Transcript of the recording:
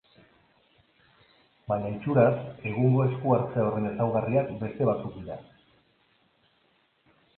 Baina itxuraz egungo esku hartze horren ezaugarriak beste batzuk dira.